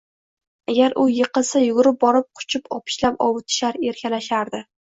Agar u yiqilsa yugurib borib quchib-opichlab ovutishar, erkalashardi.